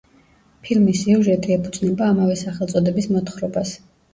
ფილმის სიუჟეტი ეფუძნება ამავე სახელწოდების მოთხრობას.